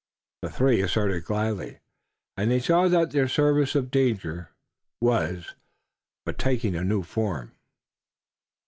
The three assented gladly, and they saw that their service of danger was but taking a new form.